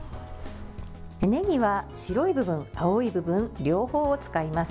ねぎは白い部分、青い部分両方を使います。